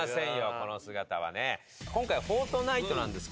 この姿はね。